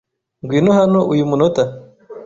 Ngwino hano uyu munota.